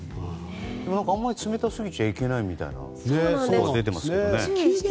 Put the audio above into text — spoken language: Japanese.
でも、あんまり冷たすぎちゃいけないみたいに出ていますけどね。